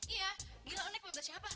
iya gila unik pembahasannya apa